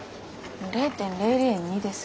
０．００２です。